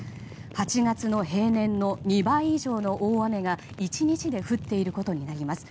８月の平年の２倍以上の大雨が１日で降っていることになります。